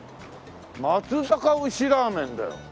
松阪牛ラーメンだよ。